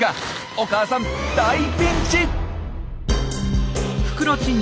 お母さん大ピンチ！